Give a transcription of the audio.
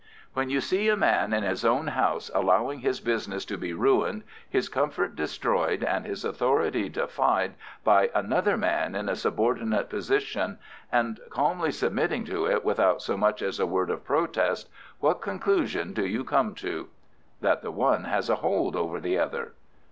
"When you see a man in his own house allowing his business to be ruined, his comfort destroyed, and his authority defied by another man in a subordinate position, and calmly submitting to it without so much as a word of protest, what conclusion do you come to?" "That the one has a hold over the other."